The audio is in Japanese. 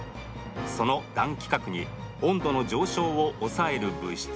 その暖気核に温度の上昇を抑える物質